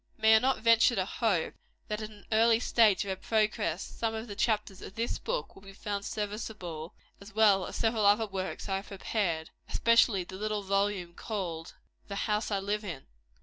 May I not venture to hope, that at an early stage of her progress, some of the chapters of this book will be found serviceable, as well as several other works I have prepared, especially the little volume called the "House I Live In?"